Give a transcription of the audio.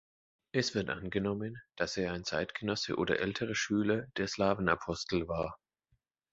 Es wird angenommen, dass er ein Zeitgenosse oder älterer Schüler der Slawenapostel war.